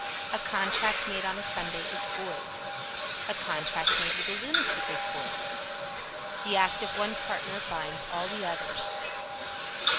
A contract made on a Sunday is void. A contract made with a lunatic is void. The act of one partner binds all the others.